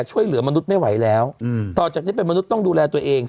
ช่วยเหลือมนุษย์ไม่ไหวแล้วต่อจากนี้เป็นมนุษย์ต้องดูแลตัวเอง